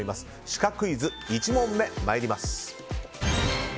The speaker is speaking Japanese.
シカクイズ、１問目参ります。